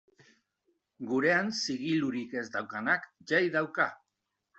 Gurean, zigilurik ez daukanak jai dauka.